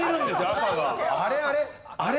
あれあれ？